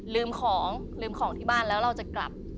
ลืมของลืมของที่บ้านแล้วเราจะกลับ